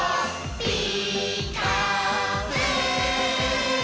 「ピーカーブ！」